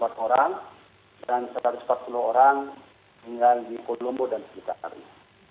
dan satu ratus empat puluh orang tinggal di polombo dan sri lanka hari ini